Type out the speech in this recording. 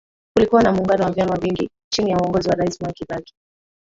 Kulikuwa na muungano wa vyama vingi Chini ya uongozi wa Rais Mwai Kibaki